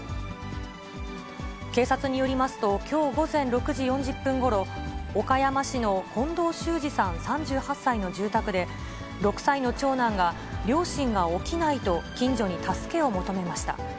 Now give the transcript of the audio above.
警察によりますと、きょう午前６時４０分ごろ、岡山市の近藤修二さん３８歳の住宅で、６歳の長男が、両親が起きないと近所に助けを求めました。